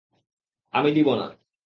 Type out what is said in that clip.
আমি দিব না!